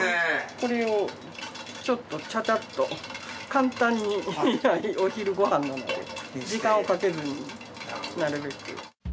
これをちょっとチャチャッと簡単にお昼ご飯なので時間をかけずになるべく。